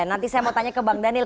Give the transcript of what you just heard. nanti saya mau tanya ke bang daniel